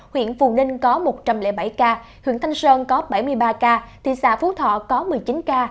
huyện phù ninh có một trăm linh bảy ca huyện thanh sơn có bảy mươi ba ca thị xã phú thọ có một mươi chín ca